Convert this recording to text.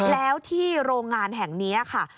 แล้วที่โรงงานแห่งนี้ค่ะ